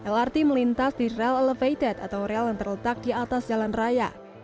lrt melintas di rel elevated atau rel yang terletak di atas jalan raya